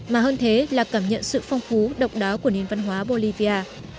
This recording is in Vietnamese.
mà hơn thế là cảm nhận sự phong phú độc đáo của nền văn hóa bolivia